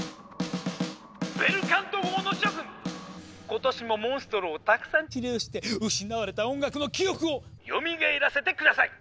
今年もモンストロをたくさん治療して失われた音楽の記憶をよみがえらせて下さい！